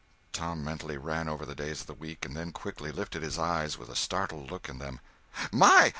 Tom mentally ran over the days of the week, and then quickly lifted his eyes with a startled look in them— "My!